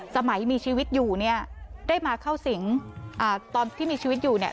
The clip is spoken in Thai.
สมัยมีชีวิตอยู่เนี่ยได้มาเข้าสิงตอนที่มีชีวิตอยู่เนี่ย